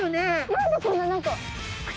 何でこんな何か。